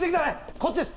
こっちです。